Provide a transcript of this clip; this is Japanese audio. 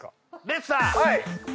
レッドさん！